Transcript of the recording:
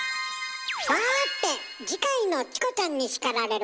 さて次回の「チコちゃんに叱られる！」